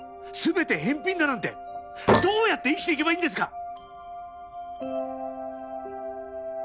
全て返品だなんてどうやって生きていけばいいんですか！？